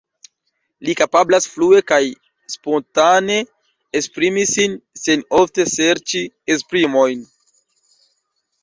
Li kapablas flue kaj spontane esprimi sin, sen ofte serĉi esprimojn.